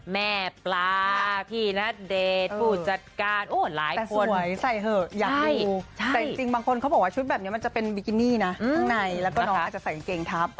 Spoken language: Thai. แม่ปลาพี่ณเดชน์ผู้จัดการโอ้หลายคนใส่เหอะอยากอยู่แต่จริงบางคนเขาบอกว่าชุดแบบนี้มันจะเป็นบิกินี่นะข้างในแล้วก็น้องอาจจะใส่กางเกงทับ